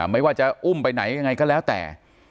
ไม่ว่าจะอุ้มไปไหนยังไงก็แล้วแต่